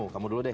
kamu dulu deh